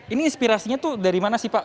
ini inspirasinya tuh dari mana sih pak